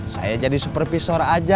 saya jadi supervisor aja